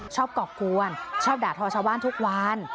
ชอบกล่องกวนชอบด่าทอชวาลทุกวัน